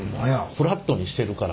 フラットにしてるから。